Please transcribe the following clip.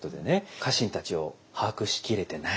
家臣たちを把握しきれてない。